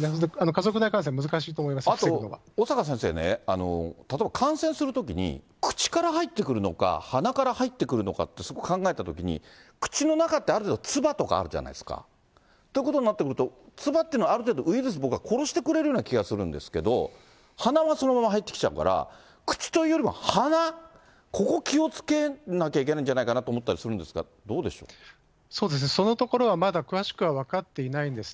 家族内感染は難しいと思います、あと、小坂先生ね、例えば感染するときに口から入ってくるのか、鼻から入ってくるのかと、そこ考えたときに、口の中ってある程度、つばとかあるじゃないですか。ということになってくると、つばというのはある程度、ウイルス、僕は殺してくれるような気がするんですけど、鼻はそのまま入ってきちゃうから、口というよりも鼻、ここ気をつけなきゃいけないんじゃないかと思ったりするんですが、そのところはまだ詳しくは分かっていないんですね。